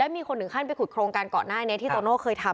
มีคนหนึ่งขั้นไปขุดโครงการเกาะนาที่โตโน่เคยทำค่ะ